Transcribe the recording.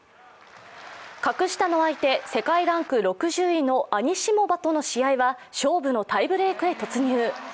格下の相手、世界ランク６０位のアニシモバとの試合は勝負のタイブレークへ突入。